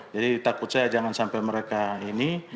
jadi takut saya jangan sampai mereka ini